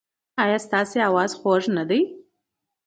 ایا ستاسو اواز خوږ نه دی؟